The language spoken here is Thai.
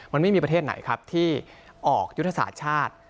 มันไม่มีประเทศไหนครับที่ออกยุทธศาสตร์ชาติ